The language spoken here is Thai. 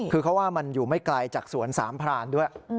คือเขาว่ามันอยู่ไม่ไกลจากสวนสามพรานด้วย